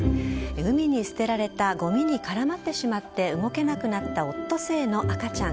海に捨てられたごみに絡まってしまって動けなくなったオットセイの赤ちゃん。